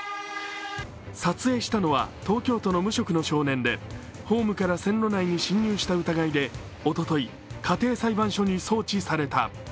撮影したのは東京都の無職の少年で、ホームから線路内に侵入した疑いで、おととい、家庭裁判所に送致された。